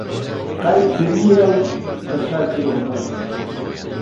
qeyd kiriye û dixe bîra me